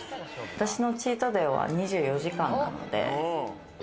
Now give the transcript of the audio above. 私のチートデイは２４時間なので。